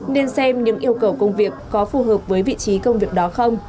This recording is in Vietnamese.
nên xem những yêu cầu công việc có phù hợp với vị trí công việc đó không